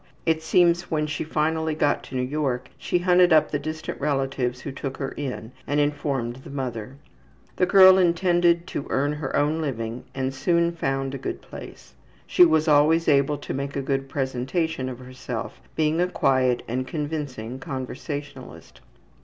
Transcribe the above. It seems when she finally got to New York she hunted up the distant relatives who took her in and informed the mother. The girl intended to earn her own living and soon found a good place. She was always able to make a good presentation of herself, being a quiet and convincing conversationalist.